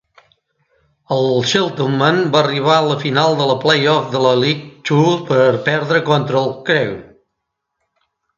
El Cheltenham va arribar a la final del play-off de la League Two, però va perdre contra el Crewe.